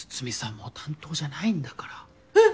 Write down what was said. もう担当じゃないんだから。え！？